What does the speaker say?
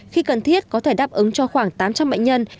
khi cần thiết có thể đáp ứng cho khoảng tám trăm linh bệnh nhân